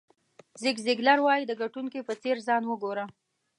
زیګ زیګلر وایي د ګټونکي په څېر ځان وګوره.